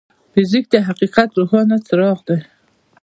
فزیک د حقیقت روښانه څراغ دی.